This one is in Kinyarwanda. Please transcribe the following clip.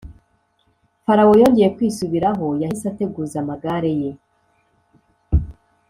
Farawo yongeye kwisubiraho Yahise ateguza amagare ye